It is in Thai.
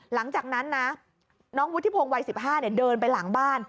หลังจากนั้นนะน้องวุฒิพงศ์วัย๑๕เดินไปหลังบ้าน